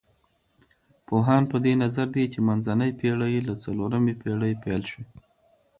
پوهان په دې نظر دي چي منځنۍ پېړۍ له څلورمې پېړۍ پيل سوې.